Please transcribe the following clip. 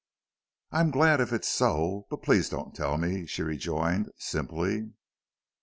"I'm glad if it's so, but please don't tell me," she rejoined, simply.